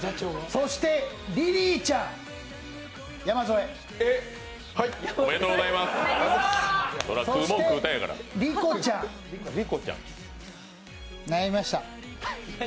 そしてりこちゃん、悩みました。